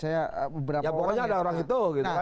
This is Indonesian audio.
ya pokoknya ada orang itu